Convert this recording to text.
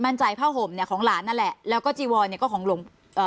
ผ้าห่มเนี่ยของหลานนั่นแหละแล้วก็จีวอนเนี่ยก็ของหลวงเอ่อ